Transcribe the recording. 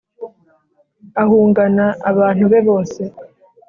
ahungana abantu be bose.